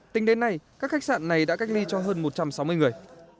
tính đến nay các khách sạn này đã cách ly cho hơn một trăm sáu mươi người